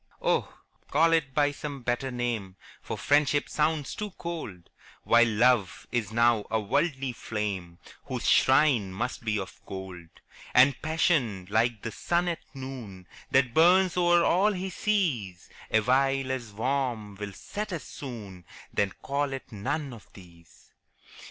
Oh, call it by some better name, For Friendship sounds too cold, While Love is now a worldly flame, Whose shrine must be of gold: And Passion, like the sun at noon, That burns o'er all he sees, Awhile as warm will set as soon Then call it none of these.